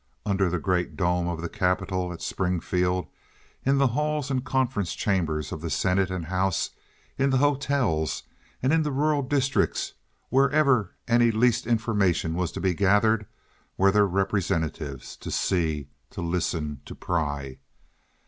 Under the great dome of the capitol at Springfield, in the halls and conference chambers of the senate and house, in the hotels, and in the rural districts wherever any least information was to be gathered, were their representatives—to see, to listen, to pry.